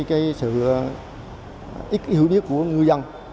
cái sự ít hữu niếc của ngư dân